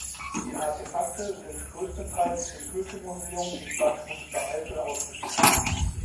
Die Artefakte sind größtenteils im Hürten-Museum in Bad Münstereifel ausgestellt.